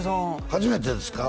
初めてですか？